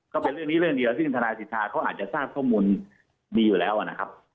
ก็เป็นเรื่องนี้เรื่องเดียวซึ่งธนายสิทธาเขาอาจจะทราบข้อมูลดีอยู่แล้วนะครับ